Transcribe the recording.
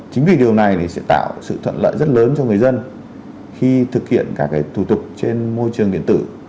chính vì điều này sẽ tạo sự thuận lợi rất lớn cho người dân khi thực hiện các thủ tục trên môi trường điện tử